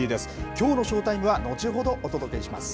きょうのショータイムは後ほどお届けします。